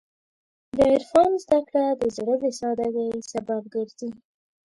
د عرفان زدهکړه د زړه د سادګۍ سبب ګرځي.